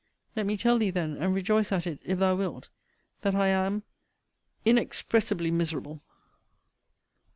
Let me tell thee then, and rejoice at it if thou wilt, that I am Inexpressibly miserable!